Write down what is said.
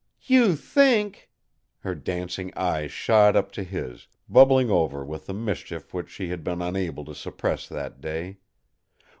"You think!" Her dancing eyes shot up to his, bubbling over with the mischief which she had been unable to suppress that day.